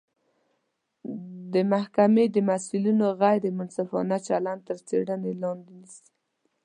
د محکمې د مسوولینو غیر منصفانه چلند تر څیړنې لاندې نیسي